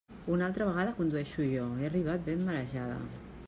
Una altra vegada condueixo jo; he arribat ben marejada.